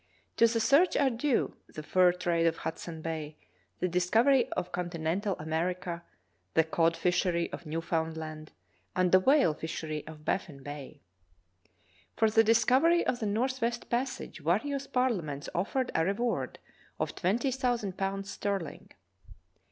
" To the search are due the fur trade of Hudson Bay, the discovery of continental America, the cod fishery of Newfoundland, and the whale fishery of Baffin Bay. For the discovery of the northwest passage various parliaments ofi^ered a reward of twenty thousand pounds sterling.